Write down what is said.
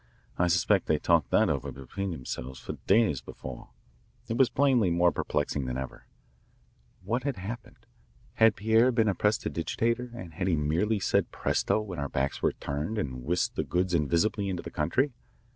I suspect they talked that over between themselves for days before." It was plainly more perplexing than ever. What had happened? Had Pierre been a prestidigitator and had he merely said presto when our backs were turned and whisked the goods invisibly into the country?